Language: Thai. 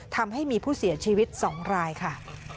ทำให้มีผู้เสียชีวิต๒รายค่ะ